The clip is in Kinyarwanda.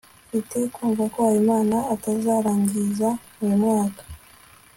mfite kumva ko habimana atazarangiza uyu mwaka